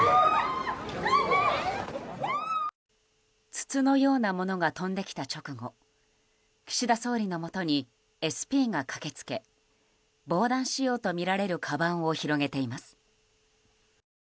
筒のようなものが飛んできた直後岸田総理のもとにＳＰが駆けつけ防弾仕様とみられるかばんを広げています。